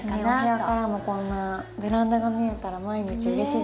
お部屋からもこんなベランダが見えたら毎日うれしいですね。